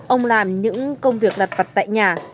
ông làm những công việc đặt vật tại nhà